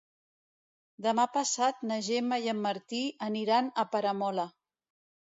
Demà passat na Gemma i en Martí aniran a Peramola.